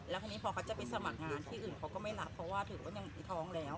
แล้วทีนี้พอเขาจะไปสมัครงานที่อื่นเขาก็ไม่รับเพราะว่าถือว่ายังมีท้องแล้ว